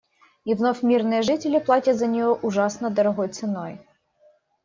И вновь мирные жители платят за нее ужасно дорогой ценой.